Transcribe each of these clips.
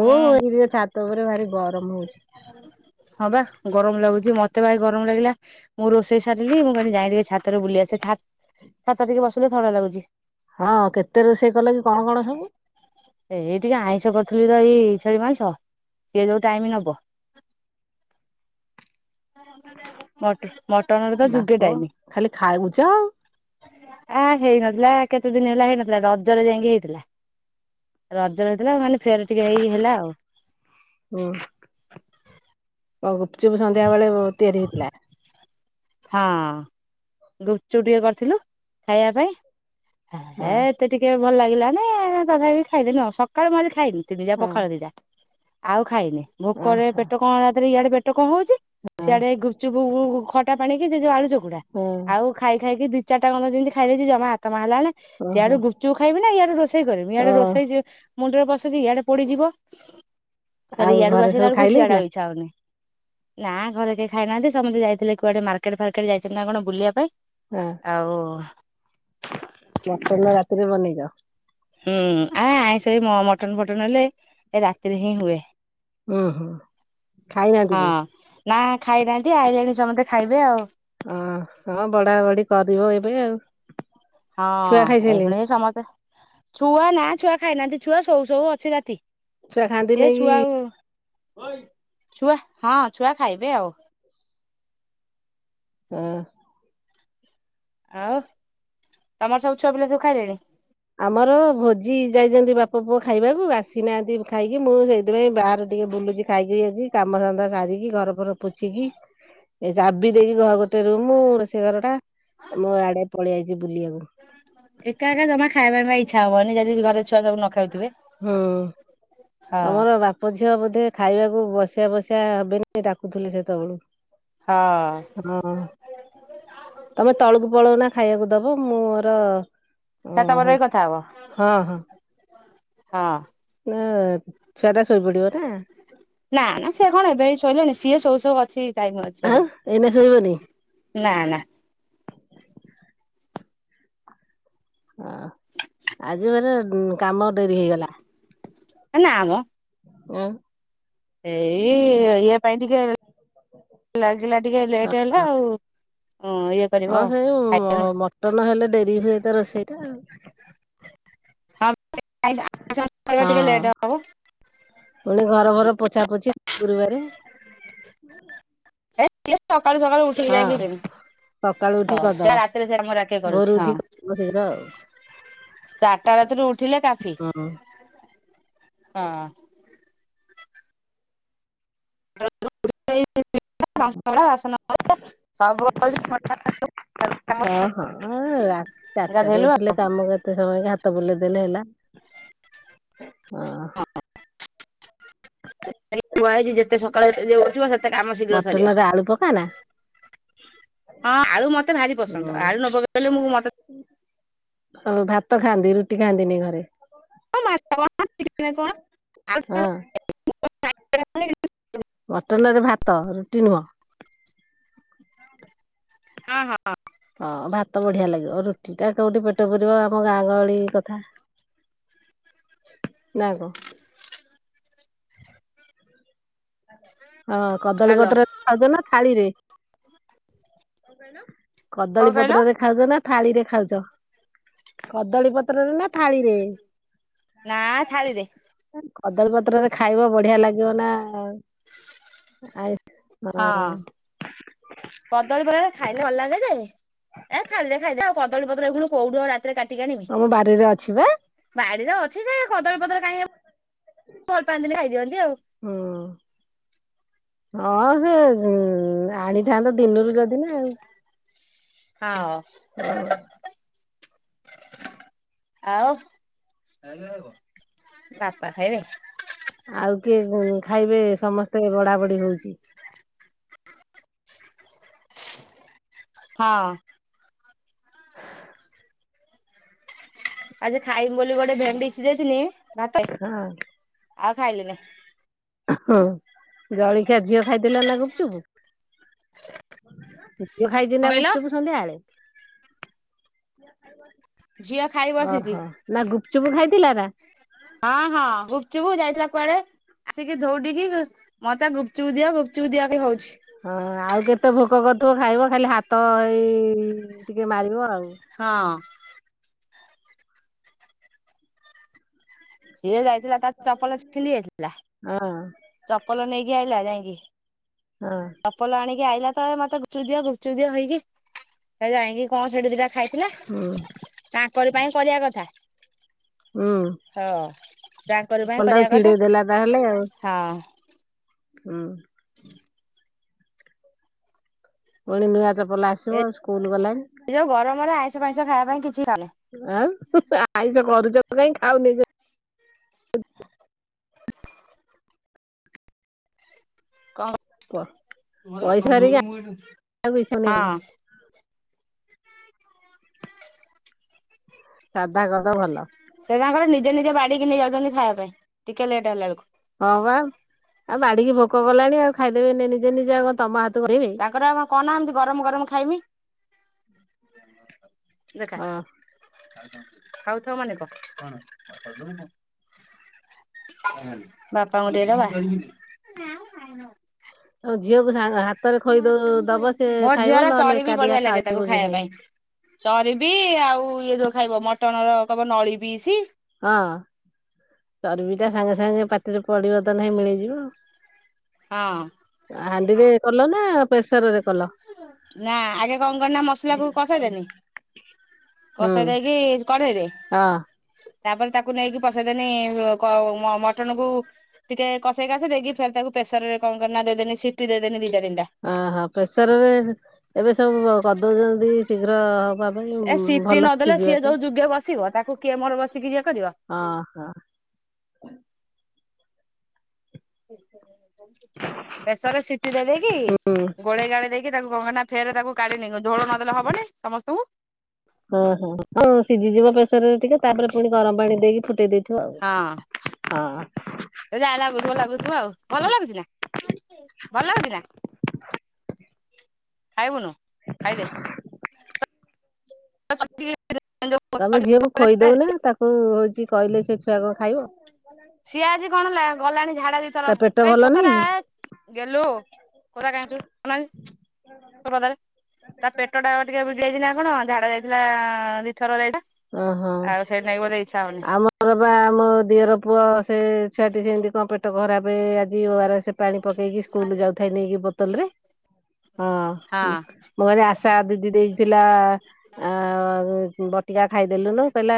ହଁ ହୁଁ। [unintelligible] ଛାତ ଉପରେ ଭାରି ଗରମ୍ ହଉଛି। ହଁ ବା ଗରମ୍ ଲାଗୁଚି, ମତେ [unintelligible] ଗରମ୍ ଲାଗିଲା। ମୁଁ ରୋଷେଇ ସାରିଲି ମୁଁ କଇଲି ଯାଏଁ ଟିକେ ଛାତରେ ବୁଲିଆସେ, ଛା ଛାତ ଟିକେ ବସିଲେ ଥଣ୍ଡା ଲାଗୁଚି। ହଁ କେତେ ରୋଷେଇ କଲ କି କଣ-କଣ ସବୁ? ଏ ଏଇ ଟିକେ ଆଇଁଷ କରିଥିଲି ତ ଏଇ ଛେଳି ମାଂସ ସିଏ ଯୋଉ ଟାଇମି ନବ। ମଟ ମଟନରେ ତ ଯୁଗେ ବାପ ଟାଇମି। ଖାଲି ଖାଉଛ ଆଉ। ଆ ହେଇନଥିଲା କେତେ ଦିନ ହେଲା ହେଇନଥିଲା, ରଜରେ ଯାଇଁକି ହେଇଥିଲା। ରଜରେ ହେଇଥିଲା ମାନେ ଫେରେ ଟିକେ ଏଇ ହେଲା ଆଉ। ହୁଁ ଆଉ ଗୁପଚୁପ୍ ସନ୍ଧ୍ୟାବେଳେ ତିଆରି ହେଇଥିଲା? ହଁ ଗୁପଚୁପ୍ ଟିକେ କରିଥିଲୁ ଖାଇଆ ପାଇଁ। ହେ ହଁ ଏତେ ଟିକେ ଭଲ ଲାଗିଲାନି ତଥାପି ଖାଇଦେନୁ ଆଉ, ସକାଳୁ ମୁଁ ଆଜି ଖାଇନି ତିନି ଜା ହଁ ପଖାଳ ଦିଟା। ଆଉ ଖାଇନି ଭୋକରେ ଓହୋ। ପେଟ କଣରେ ଇଆଡେ ପେଟ କଣ ହଉଚି, ସିଆଡେ ଗୁପଚୁପୁ ଖ ଟା ପାଣିକି ସେ ଯୋଉ ଆଳୁ ଚକୁଟା ହଁ ଆଉ ଖାଇ ଖାଇକି ଦି ଚାରଟା ଯେମିତି ଖାଇ ଦେଇଚି ଜମା ଆତମା ହେଲାନି। ଓହୋ ସିଆଡୁ ଗୁପଚୁପ୍ ଖାଇବି ନା ଇଆଡୁ ରୋଷେଇ କରିବି, ଇଆଡୁ ଓ ରୋଷେଇ ମୁଣ୍ଡରେ ପସିଚି ଇଆଡେ ପୋଡ଼ିଯିବ। ଫେରେ ଆଉ ଇଆଡୁକୁ ଘରେ ଆସିଲା ସବୁ ବେଳୁକୁ ଖାଇଲେ ସିଆଡେ ନା ଆଉ ଇଚ୍ଛା ହଉନି। ନା ଘରେ କେହି ଖାଇନାହାନ୍ତି, ସମତେ ଯାଇଥିଲେ କୁଆଡେ ମାର୍କେଟ ଫାର୍କେଟ ଯାଇଚନ୍ତି ନା କଣ ବୁଲିବା ପାଇଁ। ହଁ ଆଉ ମଟନ୍ ଟା ରାତିରେ ବନେଇଚ? ହୁଁ ଆ ଆଇଁଷ ବି ମ-ମ ଟନ୍ ଫଟନ୍ ହେଲେ ଏ ରାତିରେ ହିଁ ହୁଏ। ହୁଁ ହୁଁ ଖାଇନାହାନ୍ତି କେହି? ହଁ ନା ଖାଇନାହାନ୍ତି, ଆଇଲେଣି ସମତେ ଖାଇବେ ଆଉ। ହଁ-ହଁ ବଢା ବଢି କରିବ ଏବେ ଆଉ। ଛୁଆ ହଁ ଖାଇସାରିଲେଣି ଏଇୁଖୁଣି ସମତେ ଛୁଆ ନା ଛୁଆ ଖାଇନାହାନ୍ତି, ଛୁଆ ସୋଉ-ସୋଉ ଅଛି ରାତି ଛୁଆ ଖାଆନ୍ତି ସିଏ ନେଇକି ଛୁଆ ଛୁଆ, ହଁ ଛୁଆ ଖାଇବେ ଆଉ। ହୁଁ। ଆଉ, ତମର ସବୁ ଛୁଆ ପିଲା ସବୁ ଖାଇଲେଣି? ଆମର ଭୋଜି ଯାଇଚନ୍ତି ବାପ ପୁଅ ଖାଇବାକୁ ଆସିନାହାନ୍ତି ଖାଇକି, ମୁଁ ସେଇ ଥିପାଇଁ ବାହାରେ ଟିକେ ବୁଲୁଚି ଖାଇକି [unintelligible] କାମ ଧନ୍ଦା ସାରିକି ଘର ଫର ପୋଛିିକି ଏ ଚାବି ଦେଇକି ଘହ ଗୋଟେ ରୁମୁ ରୋଷେଇ ଘର ଟା ମୁଁ ଆଡେ ପଳେଇ ଆଇଚି ବୁଲିଆକୁ। ଏକା-ଏକା ଜମା ଖାଇବା ପାଇଁ ବା ଇଚ୍ଛା ହବନି, ଯଦି ଘରେ ଛୁଆ ସବୁ ନ ଖାଉଥିବେ। ହୁଁ ହଁ ତମର ବା ପ ଝିଅ ବୋଧେ ଖାଇବାକୁ ବସିଆ-ବସିଆ [unintelligible] ଡାକୁଥିଲେ ସେତେବେଳୁ। ହଁ। ହଁ ତମେ ତଳକୁ ପଳଉନା ଖାଇଆକୁ ଦବ, ମୋର ଛାତ ଓପରେ [unintelligible] ହଉଛି କଥା ହବ, ହଁ ହଁ। [unintelligible] ଛୁଆଟା ଶୋଇପଡିବ ନା। ନା ନା ସିଏ କଣ ଏବେ ଶୋଇଲେଣି ସିଏ ସୋଉ ସୋଉ ଅଛି ଟାଇମ ଅଛି ଆଉ ଏଇନା ଶୋଇବନି ଆହୁରି। ନା ନା। ହଁ ଆଜି ମାନେ କାମ ଡେରି ହେଇଗଲା। ହେ ନାମ। ଓ। ଏଇ ଇଆ ପାଇଁ ଟିକେ ଲାଗିଲା ଟିକେ ଲେଟ୍ ହେଲା ଆଉ ହଁ ଏଇଆ ହଁ ସେଇ ମଟନ ହେଲେ ଡେରି ହୁଏ ତ ରୋଷେଇଟା ଆଉ [inaudible] ହଁ ହଁ ଟିକେ ଲେଟ୍ ହବ। ପୁଣି ଘର ଫର ପୋଛା ପୋଛି ଗୁରୁବାରେ। ହଁ ହେ କିଏ ସକାଳୁ ସକାଳୁ ଉଠିକି ଯାଇକି ଦେବି। ସକାଳୁ ଉଠି ହଉ କରିଦବ ସେ ରାତିରେ ସେ ଆମ ଆଗେ ଭୋରୁ କରୁଛି ଉଠି ହଁ। କରିଦବ ଶୀଘ୍ର ଚାରଟା ରାତିରୁ ଉଠିଲେ କାଫି ଆଉ ହଁ। [inaudible] ହଁ ହଁ ରାତି ଚାରିଟାରୁ ଗାଧେଇଲୁ ଆଉ ଉଠିଲେ କାମ କେତେ ସମୟ କି ହାତ ବୁଲେଇ ଦେଲେ ହେଲା ହଁ। ସେ [inaudible] ଯେତେ ସକାଳେ ଯ ଉଠିବ ସେ ସେତେ କାମ ଶୀଘ୍ର ସରିବ। ମଟନରେ ଆଳୁ ପକାନା ହଁ ଆଳୁ ମତେ ଭାରି ହୁଁ ପସନ୍ଦ ଆଳୁ ନପକେଇଲେ ମୁଁ ମତେ ଭାତ ଖାଆନ୍ତି ରୁଟି ଖାଆନ୍ତିନି ଘରେ? ହଁ [inaudible] [inaudible] ମଟନରେ ଭାତ ରୁଟି ନୁହଁ। ହଁ ହଁଁ। ହଁ ଭାତ ବଢିଆ ଲାଗିବ ରୁଟିଟା କୋଉଠି ପେଟ ପୁରିବ ଆମ ଗାଁ ଗହଳି କଥା। ନା କଣ? ହଁ କଦଳୀ ହ୍ୟାଲୋ। ପତ୍ରରେ ଖାଉଛ ନା ଥାଳିରେ? କଣ କଦଳୀ କହିଲ? ପତ୍ର ରେ ଖାଉଛ ନା ଥାଳିରେ ଖାଉଛ କଦଳୀ ପ ପତ୍ରରେ ନା ଥାଳିରେ? ନା ଥାଳିରେ। କଦଳୀ ପତ୍ରରେ ଖାଇବ ବଢିଆ ଲାଗିବ ନା ହଁ କଦଳୀ ପତ୍ରରେ ଖାଇଲେ ଭଲ ଲାଗେ ଯେ ଏ ଥାଳି ଖାଇଦେ ଖାଇଦେ ଆଉ କଦଳୀ ପତ୍ର ଏ କୋଉଠୁ ଆଉ ରାତିରେ କାଟିକି ଆଣିବି। ତମ ବାରିରେ ଅଛି ବା ବାଡିରେ ଅଛି ଯେ କଦଳୀ ପତ୍ର କାହିଁକି ଭଲ ପାଆନ୍ତିନି ଖାଇଦିଅନ୍ତି ଆଉ ହୁଁ ହଁ ସେ ଆଣିଥାନ୍ତା ଦିନରୁ ଯ ନା ଆଉ ହଁ। ହୁଁ। ଆଉ ବାପା ଖାଇବେ? ଆଉ କିଏ ଖାଇବେ ସମସ୍ତେ ବଢା ବଢି ହଉଛି? ହଁ। ଆଜି ଖାଇମି ବୋଲି ଗୋଟେ ଭେଣ୍ଡି ସିଝେଇଥିଲି ଭାତ ହଁ। ଆଉ ଖାଇଲିନି। ହଁ ଜଳଖିଆ ଝିଅ ଖାଇଦେଲା ନା ଗୁପଚୁପୁ। ମୁଁ ଖାଇଛିି କଣ ନା କହିଲ? ଗୁପଚୁପ ଝିଅ ଖାଇ ସନ୍ଧ୍ୟାବେଳେ। ବସିଛି ଓହୋ ନା ଗୁପଚୁପ ଖାଇଥିଲା ନା? ହଁ ହଁ ଗୁପଚୁପ ଯାଇଥିଲା କୁଆଡେ ଆସିକି ଧଉଡିକି ମୋତେ ଗୁପଚୁପ ଦିଅ ଗୁପଚୁପ ଦିଅ ଖାଲି ହଉଚି। ହଁ ଆଉ କେତେ ଭୋକ କରୁଥିବ ଖାଇବ ଖାଲି ହାତ ହେଇ ଟିକେ ମାରିବ ଆଉ। ହଁ। ସିଏ ଯାଇଥିଲା ତାର ଚପଲ [unintelligible] ଯାଇଥିଲା ହଁ ଚପଲ ନେଇକି ଆଇଲା ଯାଇଁକି। ହଁ। ଚପଲ ଆଣିକି ଆଇଲା ତ ଏ ମତେ ଗୁପଚୁପ ଦିଅ ଗୁପଚୁପ ଦିଅ ହେଇକି ଏ ଯାଇଁକି କଣ ସେଠି ଦିଟା ଖାଇଥିଲା। ତାଙ୍କର ପାଇଁ କରିବା କଥା। ଉଁ। ହଁ ତାଙ୍କରି ପାଇଁ ଚପଲ କରିବା ଟାକୁ କଥା ଛିଡେଇଦେଲା ତାହେଲେ ଆଉ। ହଁ। ହୁଁ। ପୁଣି ନୂଆ ଚପଲ ଆସିବ ଆଉ ସ୍କୁଲ ଗଲାଣି। ଏ ଯୋଉ ଗରମ ରେ ଆଇଁଷ ଫାଇଁଷ ଖାଇବା ପାଇଁ କିଛି ଇଚ୍ଛା ନାହିଁ। ଆଉ, ଆଇଁଷ କରୁଚ କାହିଁ ଖାଉନି କ, କୁହ। ପଇସା ସାରିକି ଆଇଁଷ ଇଚ୍ଛା ହଉନି ହଁ। ସାଧା କର ଭଲ। ସେ ତାଙ୍କର ନିଜେ ନିଜେ ବାଢିକି ନେଇ ଯାଉଛନ୍ତି ଖାଇବା ପାଇଁ, ଟିକେ ଲେଟ୍ ହେଲା ବେଳକୁ। ହଁ ବା। ଆଉ ବାଢିକି ଭୋକ କଲାଣି ଆଉ ଖାଇଦେବେ ଏଇନେ ନିଜେ ନିଜେ ଆଉ କଣ ତମ ହାତକୁ ଅନେଇବେ। ତାଙ୍କର [unintelligible] ଗରମ ଗରମ ଖାଇମି। ହଁ ଖାଉଥାଉ ମାନେ କଣ? ବାପା ଙ୍କୁ ଟିକେ ଦବା। ତମ ଝିଅକୁ ସା ହାତରେ ଖୋଇଦଉ ଦବ ସେ ମୋ ଖାଇବ ଝିଅର ନହେଲେ ଏକାଟିଆ ଖାଇବ କି ନାହିଁ। ଚରବି ଆଉ ଇଏ ଯୋଉ ଖାଇବ ମଟନ ର କହିବ ନଳି ପିସି। ହଁ। ଚର୍ବିଟା ସାଙ୍ଗେ ସାଙ୍ଗେ ପାଟିରେ ପଡିବ ତ ନାଇଁ ମିଳେଇ ଯିବ। ହଁ। ଆ ହାଣ୍ଡିରେ କଲ ନା ପ୍ରେସରରେ କଲ? ନା। ଆଗେ କଣ କଲି ନା ମସଲା କୁ କସେଇଦେନି ହୁଁ କଷେଇ ଦେଇକି କଢେଇରେ, ହଁ ତାପରେ ତାକୁ ନେଇକି ପଷେଇଦେନି କ ମଟନକୁୁ ଟିକେ କଷେଇ କାସେଇ ଦେଇକି ଫେର୍ ତାକୁ ପ୍ରେସର ରେ କଣ କଲି ନା ଦେଇଦେନି ସି ସିଟି ଦେଇଦେନି ଦିଟା ତିନି ଟା। ଅ ହ। ପ୍ରେସର୍ ରେ ଏବେ ସବୁ କରିଦଉଛନ୍ତି ଶୀଘ୍ର ହବା ପାଇଁ ଭଲ ଦେଲା ସିଝିବା ସିଏ ପାଇଁ। ଯୋଉ ଯୁଗେ ବସିବ ତାକୁ କିଏ ମୋର ବସିକି ଇଏ କରିବ। ଅ ହଁ। ପ୍ରେସର୍ ରେ ସିଟି ଦେଇ ଦେଇକି ହୁଁ ଗୋଳେଇ ଗାଳେଇ ଦେଇକି ତାକୁ କଣ କଲି ନା ଫେରେ ତାକୁ କାଢି ନେଲି। ଝୋଳ ନଦେଲେ ହବନି ସମସ୍ତଙ୍କୁ। ହଁ ହଁ। ସିଝିଯିବ ପ୍ରେସର ରେ ଟିକେ ତାପରେ ପୁଣି ଗରମ ପାଣି ଦେଇକି ଫୁଟେଇ ଦେଇ ହଁ। ସେ ଯାହା ଲାଗୁଥିବ ଲାଗୁଥିବ ଆଉ। ଭଲ ଲାଗୁଚି ନା ଭଲ ଲାଗୁଚି ନା। ଖାଇବୁନୁ ଖାଇଦେ। [unintelligible] ତମେ ଝିଅକୁ ଖୋଇଦଉନ। ତାକୁ ହଉଚି କହିଲେ ସେ ଛୁଆ କଣ ଖାଇବ। ସିଏ ଆଜି କଣ ଗଲାଣି ଝାଡା ତା ଦିଥର। ପେଟ ଏ ଭଲ ନାହିଁ କୋତରା କି? ଏ ଗେହ୍ଲୁ ଓଦା କାଇଁ ହଉଚୁ। [unintelligible] ତା ପେଟ ଟା ଟିକେ ବିଗିଡ ଯାଇଚି ନା କଣ ଝାଡା ଯାଇଥିଲା ଦିଥର ଯାଇଥିଲା। ଆଉ ସେଇଥି ନାକି ବୋଧେ ଇଚ୍ଛା ହଉନି। ଘରେ ପା ମୋ ଦିଅର ପୁଅ ସେ ଛୁଆଟି ସେମିତି କଣ ପେଟ ଖରାପେ ଆଜି ଓ ଆର୍ ସେ ପାଣି ପକେଇକି ସ୍କୁଲ ଯାଉଥାଇଲି ନେଇକି ବୋତଲ ରେ- ହଁ ହଁ ମୁଁ କହିଲି ଆଶା ଦିଦି ଦେଇଥିଲା ଆଁ-ବ ଟିକା ଖାଇଦେଲୁନୁ କହିଲା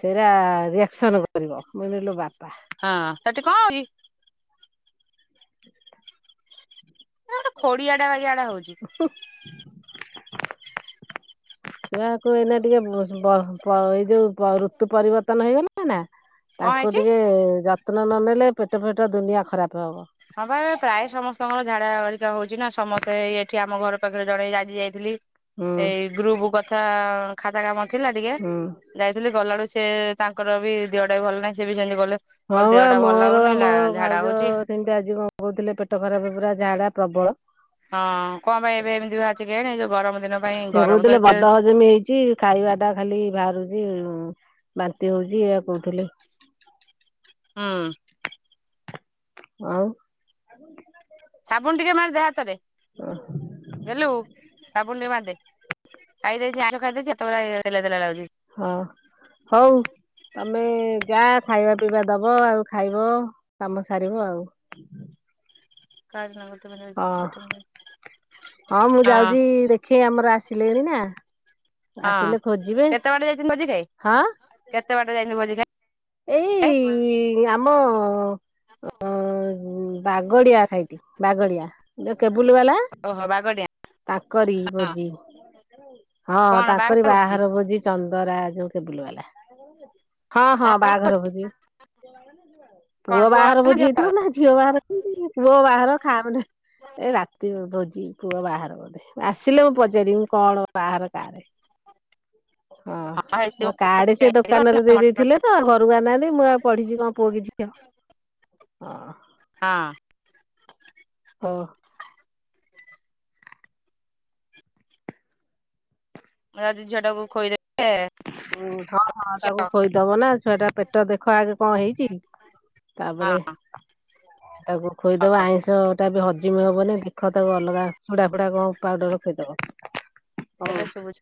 ସେଇରା ରିଆକ୍ସନ କରିବ ମୁଁ କହିଲି ଇଲୋ ବାପା। ହଁ-ତତେ କଣ୍ ହଉଚି? ଆ-ଗୋଟେ ଖଡିଆଡା ବାଗିଆଡା ହଉଚି। ଯାହାକୁହ ଏଇନା ଟିକେ ବ-ବ-ବ-ଏଇ ଯଉ ବ- ଋତୁ ପରିବର୍ତ୍ତନ ହେଇଗଲା ନା କଣ ତାଙ୍କୁ ହେଇଛି ଟିକେ ଯତ୍ନ ନନେଲେ ପେଟ ଫେଟ ଦୁନିଆ ଖରାପ୍ ହବ। ହଁ ପା ପ୍ରାୟ ସମସ୍ତଙ୍କର ଝାଡ଼ା ହରିକା ହଉଚି ନା ସମସ୍ତେ ଏଇଠି ଆମ ଘର ପାଖରେ ଜଣେ ଆଜି ଯାଇଥିଲି ହୁଁ ଏଇ ଗ୍ରୁପୁ କଥା ଖାତା କାମ ଥିଲା ଟିକେ ହୁଁ ଯାଇଥିଲି ଗଲାଠୁ ସେ ତାଙ୍କର ବି ଦିହଟା ବି ଭଲ ନାହିଁ ସେ ବି ସେମିତି ଗଲେ ହଁ କହିଲେ ବା ଦେହଟା ଭଲ ମୋର ଲାଗୁନି ଆଉ ମୋ ଝାଡା ଭାଉଜ ହଉଛି ସେମିତି ଆଜି କଣ କହୁଥିଲେ ପେଟ ଖରାପ ପୁରା ଝାଡା ପ୍ରବଳ। ହଁ କଣ ପାଇଁ ଏବେ ଏମିତି ବାହାରଚି କେଜାଣି ଏଯଉ ଗରମ ଦିନ ପାଇଁ ସେ ଗରମ କହୁଥିଲେ ତ ଏତେ [unintelligible] ଖାଇବା ଟା ଖାଲି ବାହାରୁଚି ବାନ୍ତି ହଉଚି ଏଇଆ କହୁଥିଲେ। ହଁ। ଆଉ [inaudible] [inaudible] [inaudible] ହଁ- ହଉ ତମେ ଯା ଖାଇବା ପିଇବା ଦବ ଆଉ ଖାଇବ କାମ ସାରିବ ଆଉ। [unintelligible] ଗୋଟେ ହଁ- ମିନିଟ୍ ହଁ ମୁଁ ଯାଉଚି ଦେଖି ଆମର ଆସିଲେଣି ନା। ହଁ ଆସିଲେ ଖୋଜିବେ କେତେ ବାଟେ ଯାଇଚନ୍ତି ଭୋଜି ଖାଇ ହଁ କେତେ ବାଟ ଯାଇଚନ୍ତି ଭୋଜି ଖାଇ? ଏଇ ଆମ ଅ- ବାଗଡିଆ ସାଇଟି ବାଗଡିଆ ଯଉ କେବୁଲୁ ବାଲା ଓ ହଁ ବାଗଡିଆ। ତାଙ୍କରି ଭୋଜି ହଁ ତାଙ୍କରି ବାହାର ଭୋଜି ଚନ୍ଦରା ଯଉ କେବୁଲୁ ବାଲା। ହଁ -ହଁ ବାହାଘର ଭୋଜିି- ପୁଅ ବାହାଘର ଭୋଜି ହେଇଥିବ ନା। ଝିଅ ବାହାଘର [unintelligible] ଏଇ ରାତି ଭୋଜି ପୁଅ ବାହାର। ଆସିଲେ ମୁଁ ପଚାରିବି କଣ ବାହାର କାର ହଁ। ହଁ କାର୍ଡେ ସେ ଦୋକାନ ରେ ଦେଇ ଦେଇଥିଲେ ତ ଘରକୁ ଆଣିନାହାନ୍ତି ମୁଁ ଆଉ ପଢିଚି କଣ ପୁଅ କି ଝିଅ। ଅ- ହଁ। ଓ। ମୁଁ ଯାଉଚି ଝିଅଟାକୁ ଖୋଇଦେବି। ହୁଁ-ହଁ- ହଁ ତାକୁ ଖୋଇଦବ ନା ଛୁଆ ଟା ପେଟ ଦେଖ ଆଗେ କଣ ହେଇଚି କି? ତାପରେ ହଁ। ତାକୁ ଖୋଇଦବ ଆଇଁଷ ଟା ବି ହଜିମ ହବନି ଦେଖ ତାକୁ ଅଲଗା ଚୁଡା ଫୁଡା କଣ ପାଉଡର ଖୋଇଦବ। ହଉ। ଏବେ ଶୁଭୁଛି।